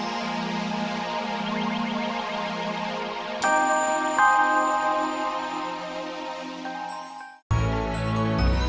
sampai jumpa lagi